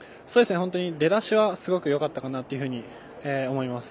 出だしは、すごくよかったかなというふうに思います。